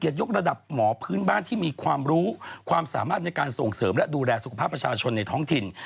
ยกระดับหมอพื้นบ้านที่มีความรู้ความสามารถในการส่งเสริมและดูแลสุขภาพประชาชนในท้องถิ่น